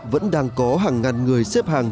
vẫn đang có hàng ngàn người xếp hàng